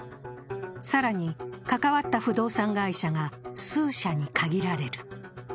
更に関わった不動産会社が数社に限られる。